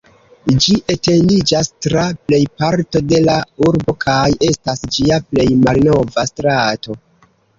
Ĝi etendiĝas tra plejparto de la urbo kaj estas ĝia plej malnova strato.